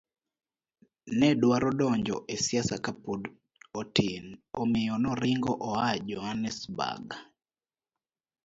ne dwaro donjo e siasa ka pod otin, omiyo noringo oa Johannesburg.